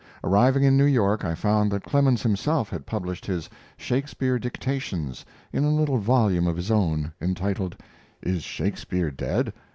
Arriving in New York, I found that Clemens himself had published his Shakespeare dictations in a little volume of his own, entitled, 'Is Shakespeare Dead?'